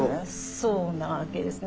そうなわけですね。